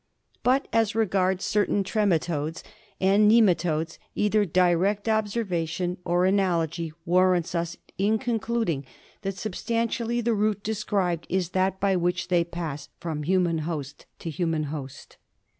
But as regards certain trematodes and GUINEA WORM. 2g nematodes, either direct observation, or analogy, warrants us in concluding that substantially the route described is that by which they pass from human host to human host.